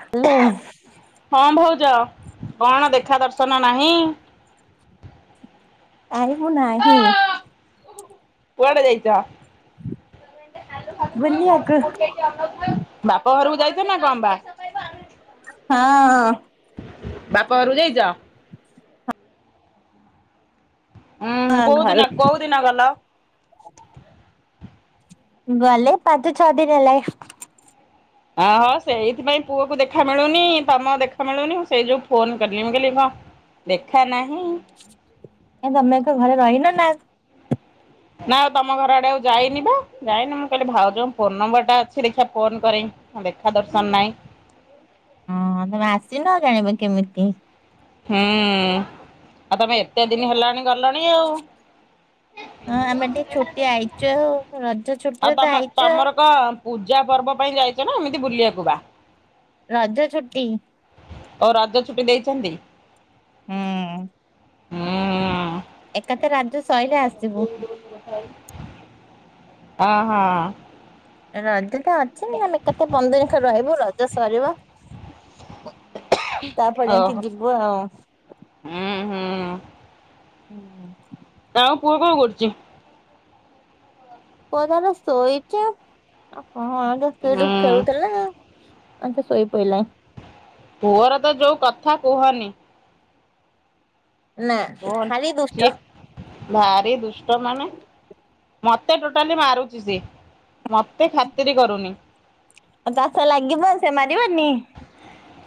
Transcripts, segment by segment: Hello. ହଁ ଭାଉଜ କଣ ଦେଖା ଦର୍ଶନ ନାହିଁ। ନାହିଁ ମୁଁ ନାହି। କୁଆଡେ ଯାଇଛ? ବାପ ବୁଲିବାକୁ ଘରକୁ। ଯାଇଥିଲୁ ନା କଣ ବା। ହଁ। ବାପା ଘରକୁ ଯାଇଛ। ହୁଁ ହଁ କୋଉ ଦିନ ଘରକୁ କୋଉ ଦିନ ଗଲ। ଗଲେ ପାଞ୍ଚ ଛଅ ଦିନ ହେଲନି। ଓହୋ ସେଇଥିପାଇଁ ପୁଅ କୁ ଦେଖା ମିଳୁନି ତମ ଦେଖା ମିଳୁନି ମୁଁ ସେଇ ଯୋଗୁ ଫୋନ କଲିମ କହ ଭ। ଦେଖା ନାହିଁ। ଏ ତମେ ଏକ ଘରେ ରହିନ ନା। ନା ଆଉ ତମ ଘର ଆଡେ ଆଉ ଯାଇନି ବା ଯାଇନି ମୁଁ କହିଲି ଭାଉଜଙ୍କ ଫୋନ ନମ୍ବର ଟା ଅଛି ଦେଖିବା ଫୋନ କରେ। ଦେଖା ଦର୍ଶନ ନାଇଁ। ହଁ ତମେ ଆସିନ ଆ ଜାଣିବ କେମିତି। ହୁଁ ଆଉ ତମେ ଏତେ ଦିନ ହେଲାଣି। ଗଲଣି ଆଉ ହଁ ଆମେ ଟିକେ ଛୁଟି ଆଇଚୁ ଆଉ। ରଜ ଆଉ ଛୁଟିରେ ତ ତମ ଆଇଛୁ ଆଉ ତମର କଣ ପୂଜା ପର୍ବ ପାଇଁ ଯାଇଛ ନା ଏମିତି ବୁଲିବାକୁ ବା। ରଜ ଛୁଟି। ଓ ରଜ ଛୁଟି ଦେଇଛନ୍ତି ହୁଁ ହୁଁ। ଏକା ଥରେ ରଜ ସଇଲେ ଆସିବୁ। ହ ହୋ। ରଜ ତ ଅଛି ଆମେ କେତେ ପନ୍ଦର ଦିନ ରହିବୁ ରଜ ସରିବ। ତାପରେ ଯାଇକି ଓହୋ ଯିବୁ ଆଉ। ହଁ। ହୁଁ। ଆଉ ପୁଅ କଣ କରୁଛି। ପୁଅ ତାର ଶୋଇଛି ଆଉ ହୁଁ କଣ ଖେଳୁଥିଲା। ଆଛା ଶୋଇପଇିଲ ପୁଅର ତ ଯୋଉ କଥା କୁହନି ନା ଖାଲି ଦୁଷ୍ଟ କଣ ଭାରି ଦୁଷ୍ଟ ମାନେ ମତେ ଟୋଟାଲି ମାରୁଛି ସି ମତେ ଖାତିର କରୁନି ଆଉ ଚାଷ ଲାଗିବ ସେ ମାରିବନି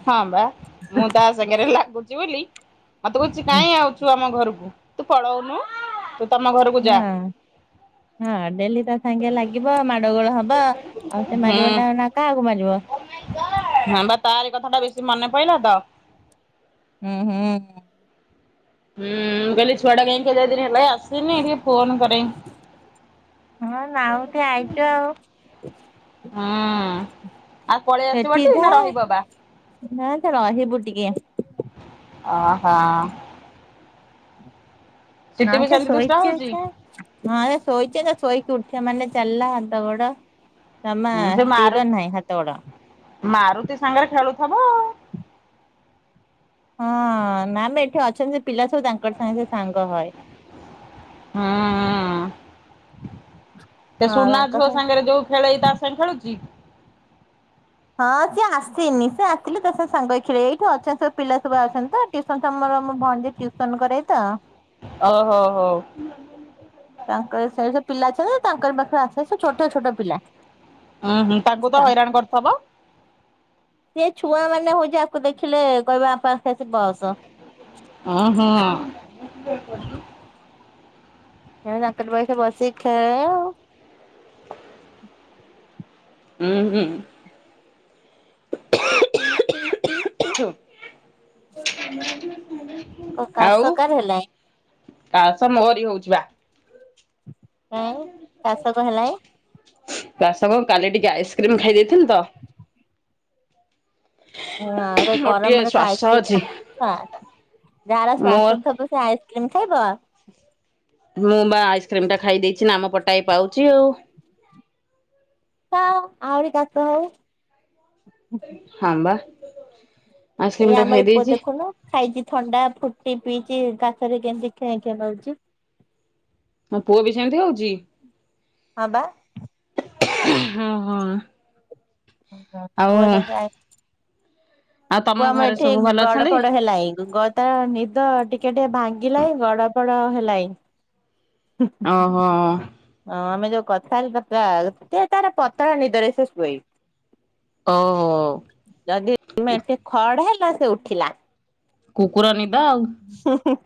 ହଁ ବା ମୁଁ ତା ସାଙ୍ଗରେ ଲାଗୁଛି ବୋଲି ମତେ କହୁଛି କାଇହିଁ ଆଉଛୁ ଆମ ଘରକୁ ତୁ ପଳଉନୁ ତୁ ତମ ଘରକୁ ଯା ହଁ ହଁ ଡେଲି ତ ସାଙ୍ଗେ ଲାଗିବ ମାଡଗୋଳ ହବ ଆଉ ସେ ମାରିବ ନା ନା କାହାକୁ ମାରିବ ହ ବା ତାରି କଥା ଟା ବେଶୀ ମନେ ପଡିଲା ତ ହୁଁ ହୁଁ ହୁଁଁ କହଲି ଛୁଆଡା କାଇଁ କେଦିନ ହେଲା ଆସସି ଏିକେ ଫୋନ କରରେ ହଁ ଆଉ ତ ଆଇଛ ଆଉ ହୁଁ ଆଉ ପଳେଇ ଆସିବ ଟ ନା ରହିବ ବା ହଁ ଚରସି ବୁଟିିକ ଓ ନା ସେ ସେମିତି ଦୁଷ୍ଟ ହଉଛି ଶୋଇଛଛୁ ହ ଶୋଇଛେ ଶୋଇଛ ଉଠ ସେମାନେେ ଚାଲିଲା ହାତ ଗୋଡ ଜମା ଉଁ ସେ ମାରୁ ସ୍ଥିର ନାହିଁ ହାତ ଗୋଡ ମାରୁତି ସାଙ୍ଗରେ ଖେଳୁ ଥବ। ହଁ ନାମ ଏଠି ଅଛନ୍ତି ସେ ପିଲା ସବୁ ତାଙ୍କରି ସାଙ୍ଗରେ ସେ ସାଙ୍ଗ ହଏ। ହଁ ଅଁ। ସେ ହଁ ସୁନା ତାଙ୍କ ଝୁଅ ସାଙ୍ଗେ ସାଙ୍ଗରେ ଯୋଉ ଖେଳେଇ ତା ସାଙ୍ଗେ ଖେଳୁଛି? ହଁ ସିଏ ଆସିନି ସେ ଆସିଲେ ତା ସହ ସାଙ୍ଗ ହେଇକି ଖେଳେ। ଏଇଠି ଅଛନ୍ତି ସବୁ ପିଲା ସବୁ ଆସନ୍ତି ତ ଟ୍ୟୁସନ୍ ସାମ୍ [unintelligible] ମୋ ଭାଣଜି ଟ୍ୟୁସନ କରେଇ ତ। ଓ ହୋ ହୋ। ତାଙ୍କର ସେଇ ସ ପିଲା ଅଛନ୍ତି ନା ତାଙ୍କରି ପାଖ୍ [unintelligible] ଆସନ୍ତି ସେ ଛୋଟ ଛୋଟ ପିଲା। ଉଁ ହୁଁ ତାଙ୍କୁ ତ ତାଙ୍କ୍ ହଇରାଣ କରୁଥବ। ସେ ଛୁଆମାନେ ହଉଛି ଆକୁ ଦେଖିଲେ କହିବେ ଆପା ଉଁ ହୁଁ [unintelligible] ଆସି ବସ। [unintelligible] ତାଙ୍କରି ପାଖେ ବସିି ଖେଳେ ଆଉ। ହୁଁ ହୁଁ। [unintelligible] ଓ ଆଉ କାଶ କାର ହେଲାଇଁ? କାଶ ମୋରି ହଉଚି ବା। କାଇଁ କାଶ କଁ ହେଲାଇଁ? ବାସଙ୍ଗ କାଲି ଟିକେ ଆଇସ୍କ୍ରିମ ଖାଇ ଦେଇଥିଲି ତ ହଁ ଏ ମୋର ଟିକେ ଗରମରେ କଁ ଶ୍ଵାସ ଅଛି ଆଇସ୍କ୍ରିମ। [unintelligible] ଯାହାର ମୋ ଶ୍ୱାସ ଥବ ସେ ଆଇସ୍ କ୍ରିମ୍ ଖାଇବ। ମୁଁ ବା ଆଇସ୍କ୍ରିମ ଟା ଖାଇ ଦେଇଛି ନାମ ପଟାଏ ପାଉଛି ଆଉ। ଖାଅ ଆହୁରି କାଶ ହଉ। ହଁ ବା। ଆଇସ୍କ୍ରିମ ଏଇ ଟା ଖାଇ ଆମର ଏ ପୁଅ ଦେଇଛି ଦେଖୁନ ଖାଇଛି ଥଣ୍ଡା ଫୁଟି ପିଇଛି କାଶରେ କେମିତି ଖେଁ ଖେଁ ବାଉଚି। ହଁ ପୁଅ ବି ସେମିତି ହଉଚି? ହଁ ବା। ହଁ ହଁ। ପୁଅ ସେମିତି ଆଇ ଆଉ ତମ ପୁଅ ଆମ ଘରେ ଏଠି ସବୁ ଭଲ ଅଛନ୍ତି? ଗଡପଡ ହେଲାଇଁ ଗ ତାର ନିଦ ଟିକେଟିକେ ଭାଙ୍ଗିଲାଇଁ ଗଡପଡ ହେଲାଇଁ। ହୁଁ ହୁଁ ହୁଁ ଓହୋ ହଁ ଆମେ ଯୋଉ କଥା ହେଲେ [unintelligible] ଏତେ ତାର ପତଳା ନିଦରେ ସେ ଶୁଏଇ। ଓହୋ ଯଦି ତୁମେ ଏଠି ଖଡ ହେଲା ସେ ଉଠିଲା କୁକୁର ନି ହୁଁ ହୁଁ।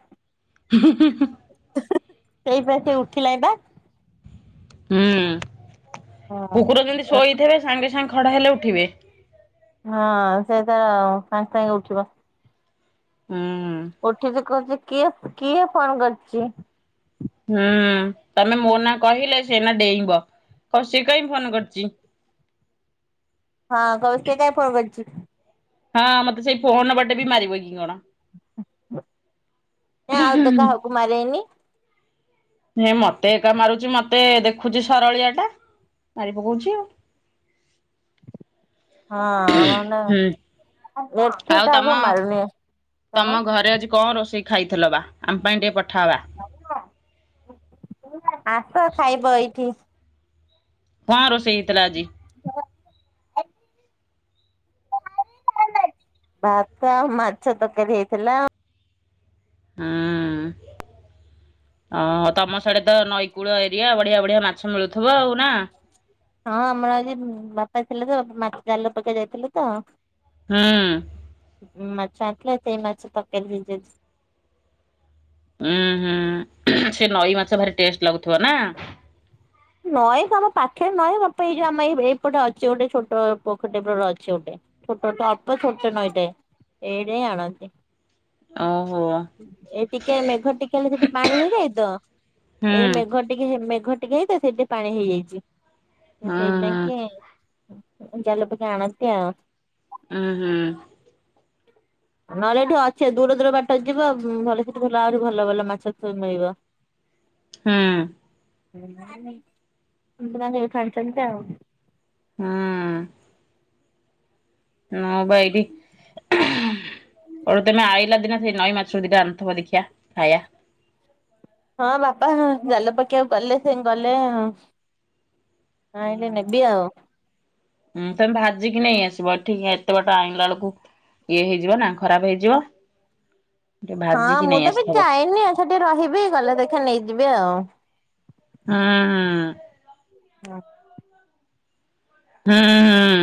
ହୁଁ ହୁଁ ହୁଁ। ହେଇ ପା ସେ ଉଠିଲାଇଁ ବା। ହୁଁ ହଁ କୁକୁର ଯେମିତି ଶୋଇଥିବେ ସାଙ୍ଗେ ସାଙ୍ଗେ ଖଡ ହେଲେ ଉଠିବେ ହଁ ସେ ତ ସାଙ୍ଗେ ସାଙ୍ଗେ ଉଠିବ। ହୁଁ ଉଠିକି କହୁଚି କିଏ କିଏ ଫୋନ କରିଚି? ହୁଁ ତମେ ମୋ ନା କହିଲେ ସେ ଏଇନା ଡେଇଁବ। କ ସିଏ କାଇଁ ଫୋନ କରିଚି? ହଁ କଉଚି ସିଏ କାଇଁ ଫୋନ୍ କରିଚି? ହଁ ମତେ ସେଇ ଫୋନ ବାଟେ ବି ମାରିବ କି କଣ। ନା ଆଉ ତ କାହାକୁ ମାରେଏନି। ହେଁ ମତେ ଏକା ମାରୁଚି ମତେ ଦେଖୁଛି ସରଳିଆଟା ମାରି ପକଉଚି ଆଉ। ହଁ ମାନେ ହୁଁ ଏଠି ଆଉ ତମ କାହାକୁ ମାରୁନି। କଣ? ତମ ଘରେ ଆଜି କଣ ରୋଷେଇ ଖାଇଥିଲ ବା? ଆମ ପାଇଁ ଟିକେ ପଠାବା। ଆ। ହଁ ରୋଷେଇ ହେଇଥିଲା ଆଜି। [inaudible] ଭାତ ଆଉ ମାଛ ତରକାରୀ ହେଇଥିଲା। ହଁ। ଓ ତମ ସଇଡେ ତ ନଈକୂଳ ଏରିଆ ବଢିଆ ବଢିଆ ମାଛ ମିଳୁଥିବ ଆଉ ନା? ହଁ ଆମର ଆଜି ବାପା ଥିଲେ ତ ମାଛ ଜାଲ ପଖେଇ ଯାଇଥିଲେ ତ ହୁଁ। ତାପରେ ସେଇ ମାଛେ ତରକାରୀ ହେଇଥିଲା। ଉଁ ହୁଁ ସେ ନଈ ମାଛ ଭାରି ଟେଷ୍ଟ ଲାଗୁଥିବ ନା? ନଇ ଆମ ପାଖରେ ନଇଁ ବାପା ଏଇ ଯଉ ଆମ ଏଇ ଏଇପଟେ ଅଛି ଗୋଟେ ଛୋଟ ପୋଖୀଟ ଅଛି ଗୋଟେ। ଛୋଟ ତ ଅଳ୍ପ ଛୋଟ ନଇଟେ। [unintelligible] ଓ। ଏ ଟିକେ ମେଘ ଟିକେ ହେଲେ ସେଠି ପାଣି ହେଇଯାଏ ତ, ହୁଁ ଏଇ ମେଘ ଟିକେ ଘୋଟି ଯାଏ ତ ସେଇଠି ପାଣି ହୁଁ ହୁଁ। ହେଇଯାଇଚି। ଜାଲ ପକେଇ ଆଣନ୍ତି ଆଉ। ହଁ ହୁଁ। ନହେଲେ ଏଠି ଅଛେ ଦୂର ଦୂର ବାଟ ଯି। ଭଲ ସେଠି ଭଲ ଆହୁରି ଭଲ ଭଲ ମାଛ ମିଳିବ। ହଁ। କୁନ୍ତୀ ନାନୀ ଏଇଠୁ ଆଣିଛନ୍ତି ଆଉ। ହୁଁ। ମୁଁ ପା ଏଇଠି ଏ ତମେ ଆଇଲା ଦିନ ନଈ ମାଛ ଦି ଟା ଆଣିଥିବ ଦେଖିବା ଖାଇବା। ହଁ ବାପା ଜାଲ ପକେଇବାକୁ ଗଲେ ସେ ଗଲେ। ହଁ ହେଇଲେ ନେବି ଆଉ। ହୁଁ ତମେ ଭାଜିକି ନେଇ ଆସିବ, ଏଠିକ ଏତେ ବାଟ ଆଣିଲା ବେଳକୁ ଇଏ ହେଇଯିବ ନା ଖରାପ ହେଇଯିବ। ଟିକେ ହଁ ଭାଜିକି ମୁଁ ନେଇ ତ ବି ଆସିଥିବ। ଯାଇନି ଆଉ ସେଠି ରହିବି ଗଲେ ଦେଖିବା ନେଇଯିବି ଆଉ। ହୁଁ। [unintelligible] ହୁଁ ହୁଁ।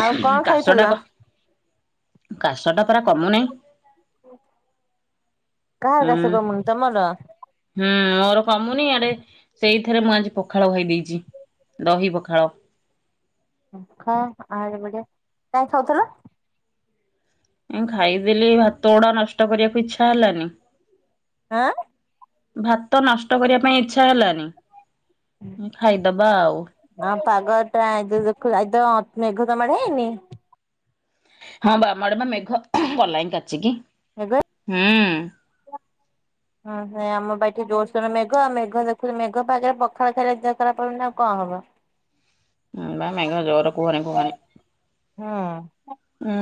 ଆଉ କଣ ଖାଇଥିଲ? କାଶ ଟା ପରା କମୁନି। କା ହୁଁ କ ସ କମ ତ ମର ହୁଁ ମୋର କମୁନି ଆଡେ ସେଇଥିରେ ମୁଁ ଆଜି ପଖାଳ ଭ ଦେଇେଇଚି। ଦହି ପଖାଳ। ହଁ ଆଡ ବଢିଆ କାଇଁ ଖାଇଥିଲ? ଖାଇଦେଲି ଭାତ ଗୋଡା ନଷ୍ଟ କରିବାକୁ ଇଚଛା ହେଲାନି। ଆଁ। ଭାତ ନଷ୍ଟ କରିବା ପାଇଁ ଇଚ୍ଛା ହେଲାନି ଖାଇଦବା ଆଉ। ପାଗ ଟା [unintelligible] ମେଘ କଲାଣି ହେଇନି? ହଁ ବାମଡମା ମେଘ ଗଲାଣି କାଚିକି ମେଘ ହୁଁ। ହୁଁ ହୁଁ ସେ ଆମ ବା ଏଠି ଜୋରସୋର ମେଘ ଆଉ ମେଘ ଦେଖୁଛିୁ ମେଘ ତ [unintelligible] ପଖାଳ [unintelligible] ନି ଆଉ କଣ? ହ। ବା ମେଘ ଜୋର କୁହନି କୁହନି ହୁଁ। ହୁଁ।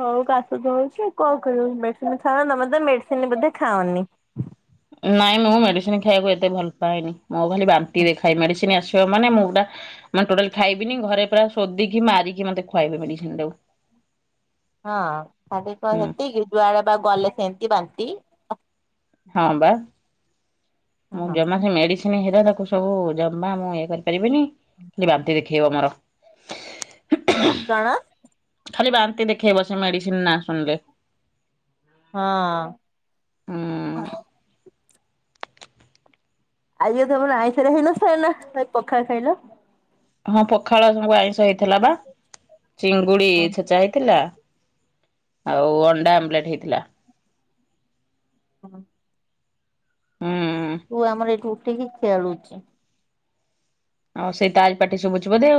ହଉ କାଶୁଉଛ କଣ କରବ। ମେଡିସିନ ଖାଇବ, ତମେ ତ ମେଡିସିନ ବଧେ ଖା ନି। ନାଇଁ ମୁଁ ମେଡିସିନ ଖାଇବାକୁ ଏତେ ଭଲ ପାଏନି, ମୋ ଖାଲି ବାନ୍ତି ଦେ ଖାଇ ମେଡିସିନ ଆସ ଅ ମାନ ମୁଁଟା ମାନେ ଟୋଟାଲ ଖାଇବିନି, ଘରେ ପୁରା ଶୋଧିକି ମାରିକି ମେ ଖୁଆଇବେ ମେଡିସିନ ଟାକୁ। [inaudible] ହଁ ଖାଠ କଣ ହୁଁ ସେତିିକି ଯୁଆଡେ ବା ଗଲେ ସେମିତି ବାନ୍ତି। ହଁ ବା ମୁଁ ହଁ। ଜମା ସେ ମେଡି ହେରା ତାକୁ ସବୁ ଜମା ମୁଁ ଇଏ କରିପାରିବିନି, ଖାଲି ବାନ୍ତି ଦେଖେଇବ ମୋର ହ [inaudible] କଣ? ଖାଇବସ ମେଡିସିନ ନା ଶୁଣିଲେ [unintelligible] ହଁ। ଆଜଞ ତମର ଆଇଁଥରେ ହେଇନ ସେ ନା ପଖା ଖାଇଲ [unintelligible] ହଁ ପଖାଳ ସହ ଆଇଁଷ ହେଇଥିଲା ବା ଚିଙ୍ଗୁଡି ଓହୋ ଛେଚା ହେଇଥିଲା। ଆଉ ଅଣ୍ଡା ଆମ୍ଲେଟ ହେଇଥିଲା। ହଁ ହୁଁ ପୁଅ ଆମର ଏଇଠୁ ଉଠିକି ଖେଳୁଛି। ଆଉ ସେଇ ତାରି ପାଟି ଶୁଭୁଛି ବୋଧେ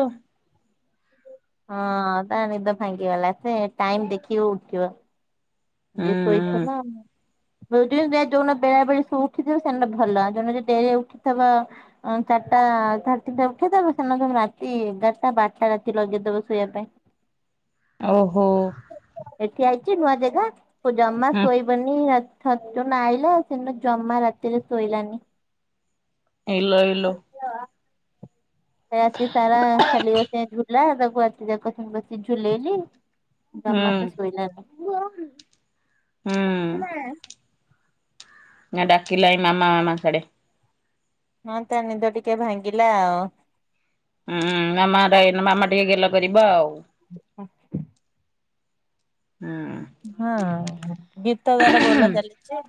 ହଁ ତା ନିଦ ଭାଙ୍ଗି ଗଲା, ସେ ଟାଇମ ଦେଖିକି ଉଠିବ ହୁଁ ଶୋଇଥ ହୁଁ ନା [unintelligible] ବ ଯୋଉ ବେଳେ ବେଳେ ସବ ଉଠିଥିବ ସେନଟା ଭଲ ଯୋଉ ଡେରେ ଉଠିଥଥିବା ଚାରିଟା [unintelligible] ଉଠେଇଦବ ସେନ ରାତି ଏଗାରଟା ବାରଟା ରାତି ଲଗେଇଦବ ଶୋଇବା ପାଇଁ ଓହୋ ଠିଆହେଇଛି ନୂଆ ଜାଗା, ସେ ଜମା ହୁଁ ଶୋଇବନି ଛତ ନା ଆଇଲା ସେନୁ ଜ ରାତିରେ ଶୋଇଲାନି [unintelligible] ଇଲୋ ଇଲୋ ରାତି ସାରା ଖାଲି ବସ ଝୁଲା, ତାକୁ ରାତି ଯାଙ୍କ ବସି ଝୁଲେଇଲି ହୁଁ ଜମା ସେ ଶୋଇଲା ନି ନା ଡାକିଲାଇ ମାମା ମାମା ସାଡେ ହଁ ତ ନିଦ ଟିକେ ଭାଙ୍ଗିଲା ଆଉ ଉୁଁ ମାମା ମାମା ଟିକେ ଗେଲ କରିବ ଆଉ ହଛ [unintelligible] ହୁଁ ହଁ ଗୀତ ତାର ବୋଲା ଚାଲିଛି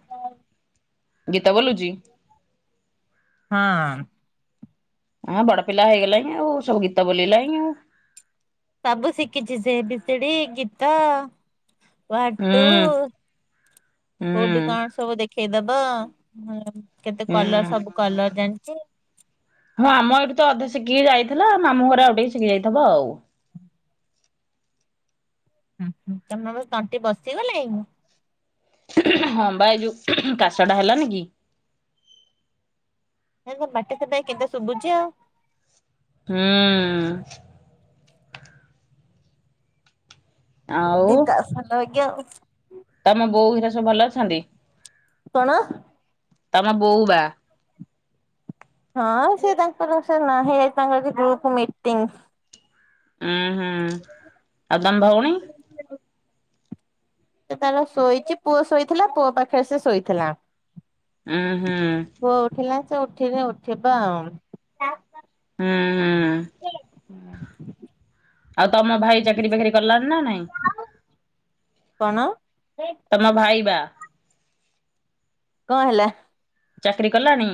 ଗୀତ ବୋଲୁଛି? ହଁ ହଁ ବଡ ପିଲା ହେଇଗଲାଣି ଓ ସବୁ ଗୀତ ବୋଲିଲାଣି ସବୁ ଶିଖିଛି ସେ - ଏ ବି ସି ଡି ଗୀତ ୱାନ ହୁଁ ଟୁ ହୁଁ କୋଉଠି କଣ ସବୁ ଦେଖେଇଦବ ହ କେତେ ହୁଁ କଲର ସବୁ କଲର ଜାଣିଛୁ? ହଁ ଆମ ଏଇଠି ତ ଅଧେ ଶିଖିକି ଯାଇଥିଲା ମାମୁଁ ଘରେ ଆଉଟିକେ ଶିଖି ଯାଇଥିବ ଆଉ। [inaudible] ହୁଁ ହୁଁ ତମର ତଣ୍ଟି ବସିଗଲା କି? ହଁ ବା ଏଇ ଯୋଉ କାଶ ଟା ହେଲାନି କି? ଏ ତମ ତଣ୍ଟି କେମିତି ଶୁଭୁଛି ଆଉ ହୁଁ ଆଉ ସୁଦିତ ସଲ [unintelligible] ତମ ବୋଉ ଘରିକା ସବୁ ଭଲ ଅଛନ୍ତି? କଣ ତମେ ବୋଉ ବା ହଁ ସେଇ ତାଙ୍କର ସେ ନହେଲେ ଗ୍ରୁପ ମିଟିଂ। ହୁଁ ହୁଁ ଆଉ ତମ ଭଉଣୀ? ସେ ତାର ଶୋଇଛି, ପୁଅ ଶୋଇଥିଲା, ପୁଅ ପାଖରେ ସେ ଶୋଇଥିଲା। ହୁଁ ହୁଁ ପୁଅ ଉଠିଲା ସେ ଉଠିନି ଉଠିବା ଆଉ। ହୁଁ ହୁଁ ହୁଁ ଆଉ ତମ ଭାଇ ଚାକିରି ଫାକିରି କଲାଣି ନା ନାଇଁ? କଣ ତମ ଭାଇ ବା। କଣ ହେଲା। ଚାକିରୀ କଲାଣି?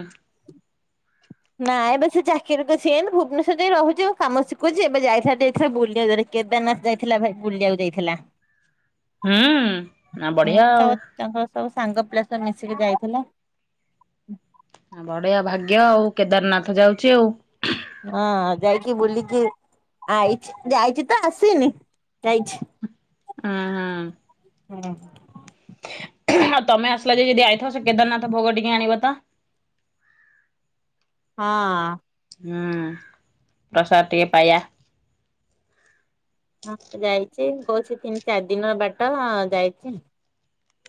ନା ଏବେ ସେ ଚାକିରିରେ ତ ସେନ୍ତି, ଭୁବନେଶ୍ୱରରେ ରହୁଛି କାମ ଶିଖୁଛି ଏବେ ଯାଇଥିଲା। [unintelligible] କେଦାରନାଥ ଯାଇଥିଲା ଭାଇ ବୁଲିବାକୁ ଯାଇଥିଲା। [unintelligible] ନା ହୁଁ ବଢିଆ ଆଉ। ତାଙ୍କର ସବୁ ସାଙ୍ଗ ପିଲା ସ ତ ମିଶିକି ଯାଇଥିଲା ବଢିଆ ଭାଗ୍ୟ ଆଉ କେଦାରନାଥ ଯାଉଛି ଆଉ। ହଁ ଯାଇକି ବୁଲିକି ଯାଇଛି ତ ଆସିନି ଯାଇଛି। ହୁଁ ହୁଁ। ହୁଁ। ଆଉ ତମେ ଆସିଲା ଯାଏ ଯଦି ଆଇଥବ, ସେ କେଦାରନାଥ ଭୋଗ ଟିକେ ଆଣିବ ତ। ହଁ। ହୁଁ ପ୍ରସାଦ ଟିକେ ପାଇଆ। ହଁ ଯାଇଛି କହୁଛି ତିନି ଚାରି ଦିନ ବାଟ ଯାଇଛି।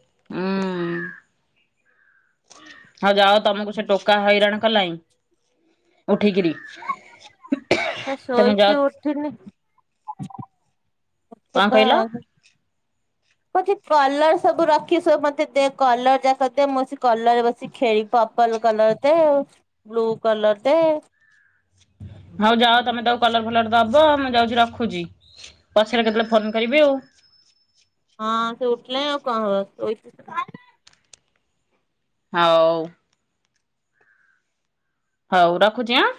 ହୁଁ। ହଉ ଯାଅ ତମକୁ ସେ ଟୋକା ହଇରାଣ କଲାଇଁ ଠିକରି ସେ ତମେ ଶୋଇଛି ଯାଅ ଉଠିନି କଣ କହିଲ? [unintelligible] କହୁଛି କଲର ସବୁ ରଖିଛୁ ସବୁ ମତେ ଦେ, କଲର ଯାକ ଦେ ମୁଁ ସେ କଲରରେ ବସି ଖେଳି ପର୍ପଲ କଲର ଦେ, ବ୍ଲୁ କଲର ଦେ ହଉ ଯାଅ ତମେ ତାକୁ କଲର ଫଲର ଦବ, ମୁଁ ଯାଉଛି ରଖୁଛି ପଛରେ କେତେବେଳେ ଫୋନ କରିବି ଆଉ। ହଁ ସେ ଉଠିଲାଇଁ ଆଉ କଣ ହବ ହଉ। ହଉ ରଖୁଛି ଆଁ।